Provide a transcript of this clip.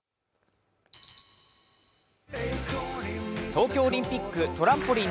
東京オリンピックトランポリン